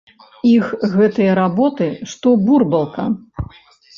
Іх гэтыя работы, што бурбалка.